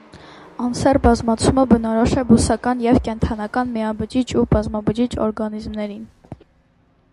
Անսեռ բազմացումը բնորոշ է բուսական և կենդանական միաբջիջ ու բազմաբջիջ օրգանիզմներին։